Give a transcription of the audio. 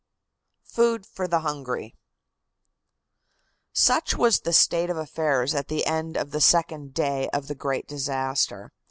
FOOD FOR THE HUNGRY. Such was the state of affairs at the end of the second day of the great disaster.